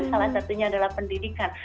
salah satunya adalah pendidikan